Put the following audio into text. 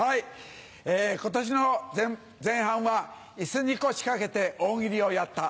今年の前半は椅子に腰掛けて大喜利をやった。